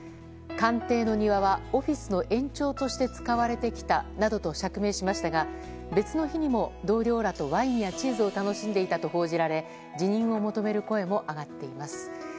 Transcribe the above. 官邸の庭はオフィスの延長として使われてきたなどと釈明しましたが別の日にも同僚らとワインやチーズを楽しんでいたと報じられ辞任を求める声も上がっています。